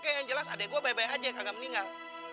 kayak yang jelas adek gue baik baik aja gak meninggal